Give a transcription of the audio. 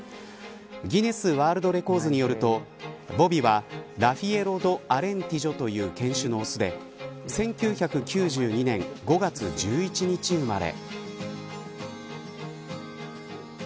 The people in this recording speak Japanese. ギネス・ワールド・レコーズによるとボビは、ラフェイロ・ド・アレンティジョという犬種の雄で１９９２年５月１１日生まれ。